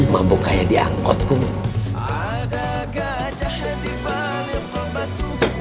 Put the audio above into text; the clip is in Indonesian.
mabuk kayak di angkot kumbu